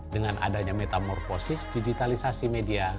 dengan adanya metamorfosis digitalisasi media